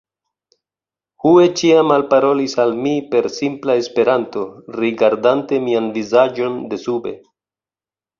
Hue ĉiam alparolis al mi per simpla Esperanto, rigardante mian vizaĝon desube.